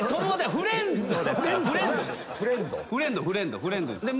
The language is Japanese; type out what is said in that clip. フレンドな。